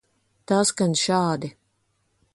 Tā skan šādi.